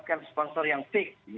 bung saris nama sponsornya siapa saja